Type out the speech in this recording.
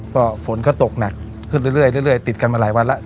ก็ฝนก็ตกหนักขึ้นเรื่อยติดกันมาหลายวันแล้ว